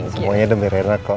semuanya demi rena ko